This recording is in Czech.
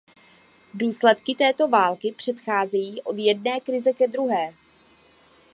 Důsledky této války přecházejí od jedné krize ke druhé.